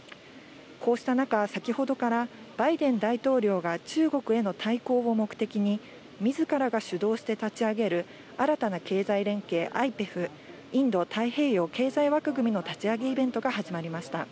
こうした中、先ほどからバイデン大統領が中国への対抗を目的に、みずからが主導して立ち上げる新たな経済連携、ＩＰＥＦ・インド太平洋経済枠組みの立ち上げイベントが始まりました。